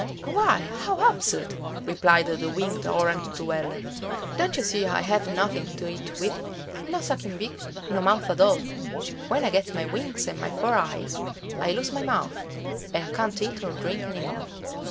"Why, how absurd," replied the winged Orange dweller, "don't you see I have nothing to eat with? No sucking beak, no mouth at all. When I get my wings and my four eyes, I lose my mouth, and can't eat or drink any more."